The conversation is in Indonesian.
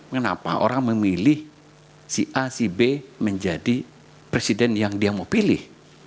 kenapa orang memilih si a si b menjadi presiden yang dia mau pilih